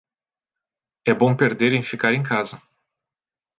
É bom perder e ficar em casa.